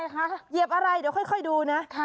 เหยียบอะไรเดี๋ยวค่อยดูนะ